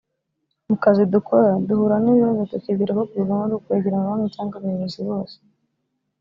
“Mu kazi dukora duhura n’ibibazo tukibwira ko kubivamo ari ukwegera amabanki cyangwa abayobozi bose